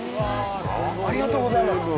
ありがとうございます。